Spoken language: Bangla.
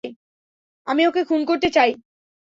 আমি ওকে খুন করতে চাই।